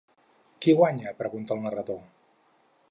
«Qui guanya?», pregunta el narrador.